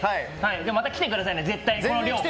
また来てくださいね、この量。